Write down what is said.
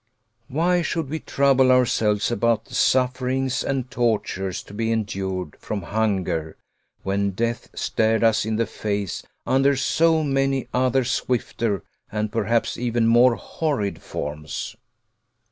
Why should we trouble ourselves about the sufferings and tortures to be endured from hunger when death stared us in the face under so many other swifter and perhaps even more horrid forms?